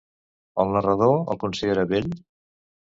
El narrador el considera bell?